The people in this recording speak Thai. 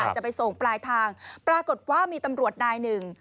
จะไปส่งปลายทางปรากฏว่ามีตำรวจนายหนึ่ง